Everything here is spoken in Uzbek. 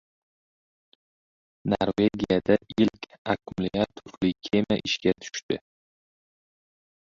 Norvegiyada ilk akkumulyatorli kema ishga tushdi